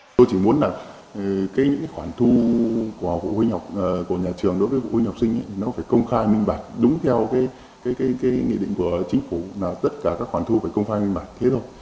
tôi chỉ muốn là những khoản thu của nhà trường đối với phụ huynh học sinh nó phải công khai minh bạch đúng theo cái nghị định của chính phủ là tất cả các khoản thu phải công khai minh bạch thế thôi